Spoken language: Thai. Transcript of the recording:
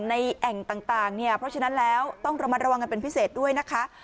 ในแอ่งต่างเพราะฉะนั้นแล้วต้องระวังกันเป็นพิเศษด้วยนะคะ